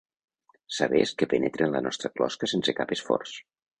Sabers que penetren la nostra closca sense cap esforç.